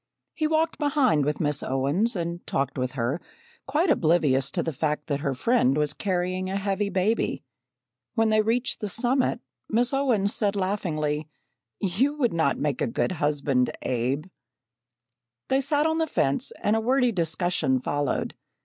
He walked behind with Miss Owens, and talked with her, quite oblivious to the fact that her friend was carrying a heavy baby. When they reached the summit, Miss Owens said laughingly: "You would not make a good husband, Abe." They sat on the fence and a wordy discussion followed.